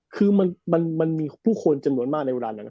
คือมันมีผู้คนจำนวนมากในเวลานั้น